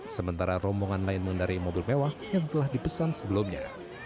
sementara rombongan lain mengendarai mobil mewah yang telah dipesan sebelumnya